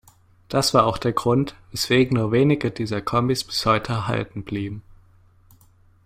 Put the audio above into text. Das war auch der Grund, weswegen nur wenige dieser Kombis bis heute erhalten blieben.